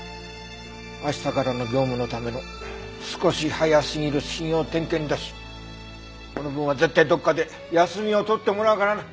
明日からの業務のための少し早すぎる始業点検だしこの分は絶対どこかで休みを取ってもらうからな。